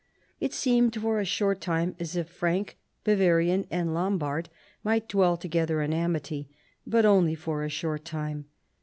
It seemed for a short time as if Frank, Bavarian, and Lombard might dwell together in amity ; but only for a short time.